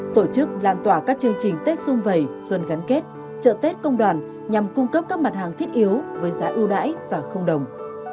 tổ chức lan tỏa các chương trình tết xung vầy xuân gắn kết trợ tết công đoàn nhằm cung cấp các mặt hàng thiết yếu với giá ưu đãi và đồng